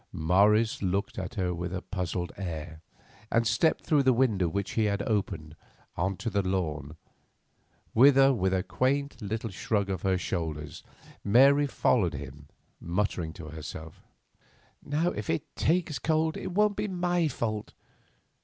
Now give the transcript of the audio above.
Morris looked at her with a puzzled air, and stepped through the window which he had opened, on to the lawn, whither, with a quaint little shrug of her shoulders, Mary followed him, muttering to herself: "Now if he takes cold, it won't be my fault."